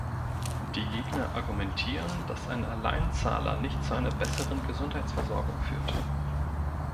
Die Gegner argumentieren, dass ein Alleinzahler nicht zu einer besseren Gesundheitsversorgung führt.